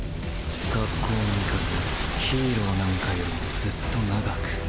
学校も行かずヒーローなんかよりもずっと長く。